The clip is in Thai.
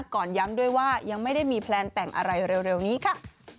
ก่อนย้ำด้วยว่ายังไม่ได้มีแพลนแต่งอะไรเร็วนี้ค่ะ